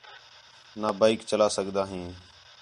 نا بائیک چلا سڳدا ہیں